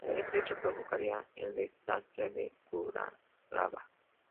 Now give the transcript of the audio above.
Este hecho provocaría el Desastre de Curalaba.